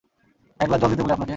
এক গ্লাস জল দিতে বলি আপনাকে?